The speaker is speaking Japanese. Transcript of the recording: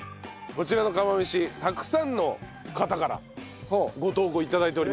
こちらの釜飯たくさんの方からご投稿を頂いております。